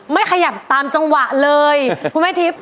ไม่ขยับตามจังหวะเลยคุณแม่ทิพย์